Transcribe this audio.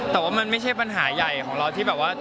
แต่ว่ามันไม่ใช่ปัญหาใหญ่ของเราที่แบบว่า